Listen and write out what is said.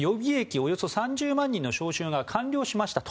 およそ３０万人の招集が完了しましたと。